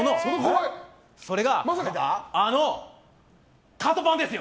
それがあのカトパンですよ！